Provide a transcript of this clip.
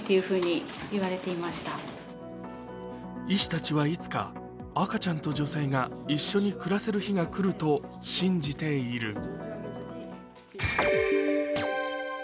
医師たちはいつか赤ちゃんと女性が一緒に暮らせる日が来ると信じている。